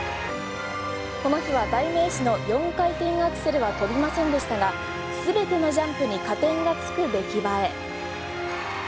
この日は代名詞の４回転アクセルは跳びませんでしたが全てのジャンプに加点がつく出来栄え。